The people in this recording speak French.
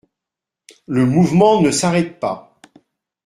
Le mouvement ne s'arrête pas.